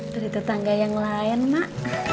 dari tetangga yang lain mak